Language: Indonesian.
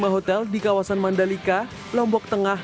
dua puluh hotel di kawasan mandalika lombok tengah